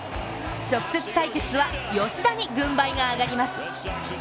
直接対決は、吉田に軍配が上がります。